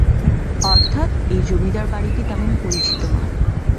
অর্থাৎ এই জমিদার বাড়িটি তেমন পরিচিত না।